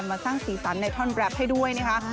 มาสร้างสีสันในท่อนแรปให้ด้วยนะคะ